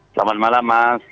selamat malam mas